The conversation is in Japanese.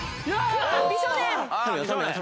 美少年。